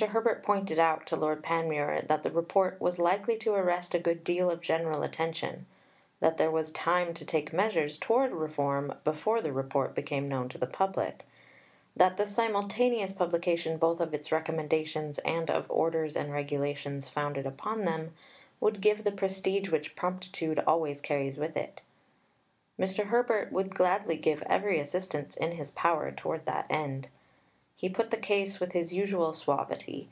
Herbert pointed out to Lord Panmure that the Report was "likely to arrest a good deal of general attention"; that there was time to take measures towards reform before the Report became known to the public; that the simultaneous publication both of its recommendations and of orders and regulations founded upon them would "give the prestige which promptitude always carries with it." Mr. Herbert would gladly give every assistance in his power towards that end. He put the case with his usual suavity.